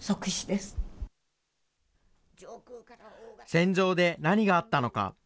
戦場で何があったのか。